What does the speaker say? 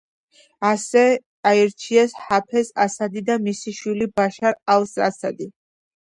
ასე აირჩიეს ჰაფეზ ასადი და მისი შვილი ბაშარ ალ-ასადი.